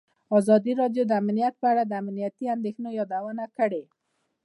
ازادي راډیو د امنیت په اړه د امنیتي اندېښنو یادونه کړې.